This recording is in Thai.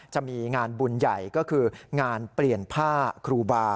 จะมีงานบุญใหญ่ก็คืองานเปลี่ยนผ้าครูบา